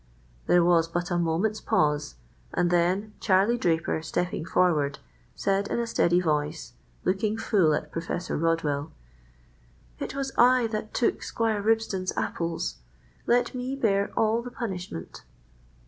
There was but a moment's pause, and then Charlie Draper, stepping forward, said in a steady voice, looking full at Professor Rodwell,— "It was I that took Squire Ribston's apples. Let me bear all the punishment."